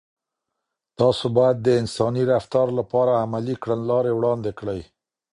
تاسو باید د انساني رفتار لپاره عملي کړنلارې وړاندې کړئ.